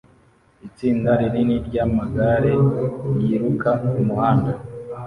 itsinda rinini ryamagare yiruka kumuhanda